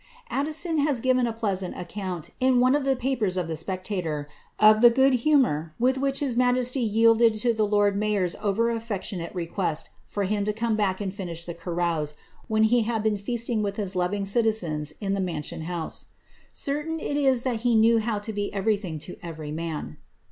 iddi son has given a pleasant account, in one of the papers in the ^Speetitoi;' of the ^ood huinour with which his majesty yielded to the lord msjor'i over aflectionate request for him to come back and finish the earcmffi when he had been feasting with his loving citizens in the Mansion Haatt. Certain it is that he knew how to be everything to every man.